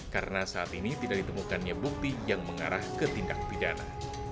karena saat ini tidak ditemukannya bukti yang mengarah ke tindak pidana